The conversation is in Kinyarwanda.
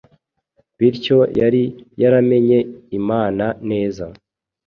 Bityo yari yaramenye Imana neza